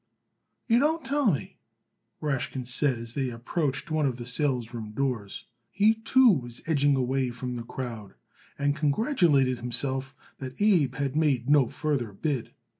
"You don't tell me," Rashkin said as they approached one of the salesroom doors. He too was edging away from the crowd and congratulated himself that Abe had made no further bid.